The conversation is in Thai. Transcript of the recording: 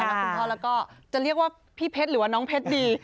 แล้วก็คุณพ่อแล้วก็จะเรียกว่าพี่เพชรหรือว่าน้องเพชรดี